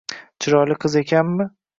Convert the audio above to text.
Chiroyli qiz ekanmi